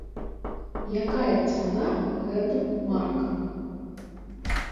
Якая цана гэтым маркам?